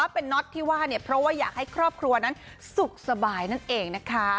เป็นน็อตที่ว่าเนี่ยเพราะว่าอยากให้ครอบครัวนั้นสุขสบายนั่นเองนะคะ